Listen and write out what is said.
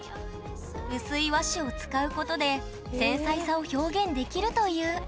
薄い和紙を使うことで繊細さを表現できるという。